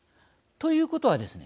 ということはですね